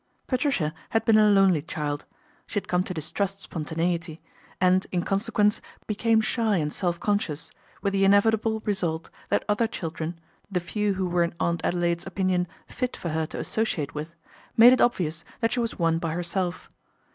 Patricia had been a lonely child. She had come to distrust spontaneity and, in consequence, be came shy and self conscious, with the inevitable result that other children, the few who were in Aunt Adelaide's opinion fit for her to associate with, made it obvious that she was one by herself.